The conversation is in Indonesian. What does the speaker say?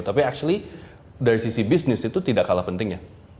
tapi actually dari sisi bisnis itu tidak kalah pentingnya